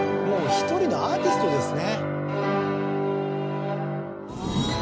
１人のアーティストですね。